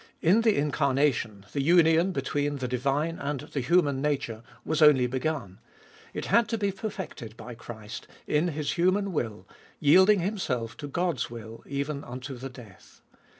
In the incarnation the union between the divine and the human nature was only begun : it had to be perfected by Christ, in His human will, yielding Himself to God's will even unto the death.